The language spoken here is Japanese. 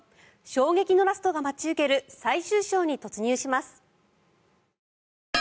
衝撃のラストが待ち受ける最終章に突入します。